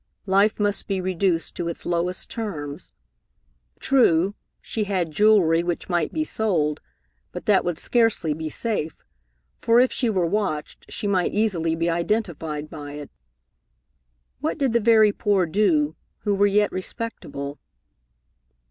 Life must be reduced to its lowest terms. True, she had jewelry which might be sold, but that would scarcely be safe, for if she were watched, she might easily be identified by it. What did the very poor do, who were yet respectable?